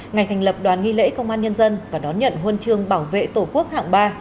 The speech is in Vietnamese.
ngày thành lập đoàn nghi lễ công an nhân dân và đón nhận huân chương bảo vệ tổ quốc hạng ba